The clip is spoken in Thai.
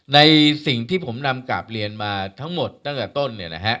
ในสิ่งที่ผมนำกราบเรียนมาทั้งหมดตั้งแต่ต้น